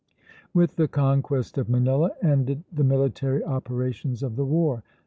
With the conquest of Manila ended the military operations of the war.